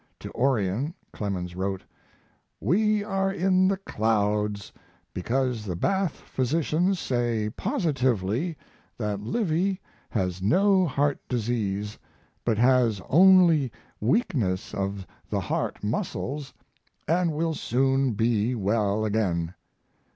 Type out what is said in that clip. To Orion, Clemens wrote: We are in the clouds because the bath physicians say positively that Livy has no heart disease but has only weakness of the heart muscles and will soon be well again.